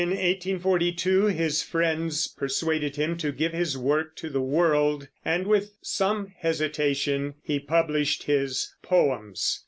In 1842 his friends persuaded him to give his work to the world, and with some hesitation he published his Poems.